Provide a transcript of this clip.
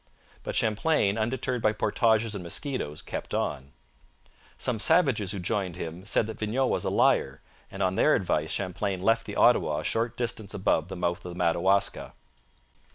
But Champlain, undeterred by portages and mosquitoes, kept on. Some savages who joined him said that Vignau was a liar, and on their advice Champlain left the Ottawa a short distance above the mouth of the Madawaska.